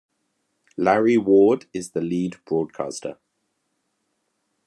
Larry Ward is the lead broadcaster.